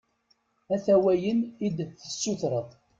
Ata wayen i d-tessutreḍ.